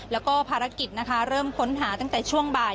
แล้วก็ภารกิจนะคะเริ่มค้นหาตั้งแต่ช่วงบ่าย